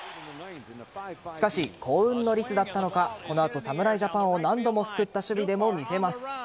しかし、幸運のリスだったのかこの後侍ジャパンを何度も救った守備でも見せます。